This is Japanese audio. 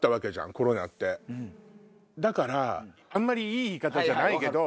だからあんまりいい言い方じゃないけど。